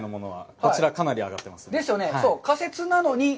こちらはかなり上がっています。